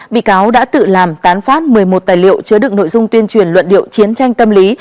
bị cáo đã tự làm tán phát một mươi một tài liệu chứa được nội dung tuyên truyền luận điệu chiến tranh tâm lý